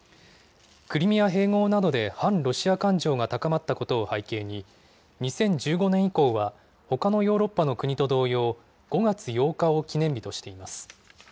クリミア併合などで、反ロシア感情が高まったことを背景に、２０１５年以降はほかのヨーロッパの国と同様、５月８日を記念日としています。